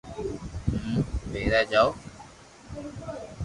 ھون ڀارآ جاُو